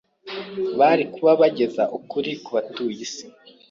bari kuba bageza ukuri ku batuye isi